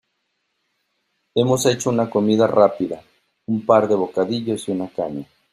Hemos hecho una comida rápida; un par de bocadillos y una caña.